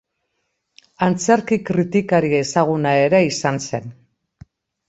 Antzerki-kritikari ezaguna ere izan zen.